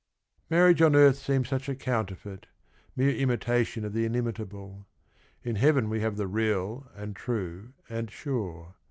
"Marriage on earth seems such a counterfeit, Mere imitation of the inimitable : In heaven we have the real and true and sure.